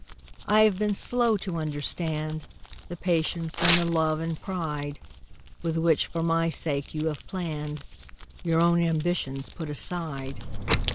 I have been slow to understand The patience and the love and pride "With which for my sake you have hour own ambitions put aside.